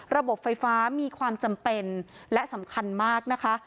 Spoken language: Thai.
ระบบไฟฟ้ามีความจำเป็นและสำคัญมากนะคะ